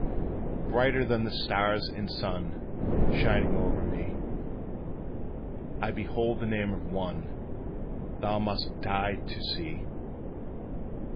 "Brighter than the stars and sun Shining over me, I behold the name of ONE Thou must die to see!"